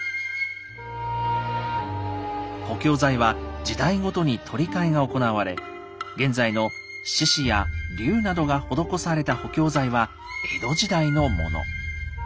補強材は時代ごとに取り替えが行われ現在の獅子や龍などが施された補強材は江戸時代のもの。